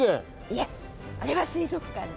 いえあれは水族館です。